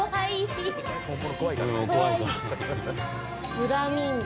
フラミンゴ。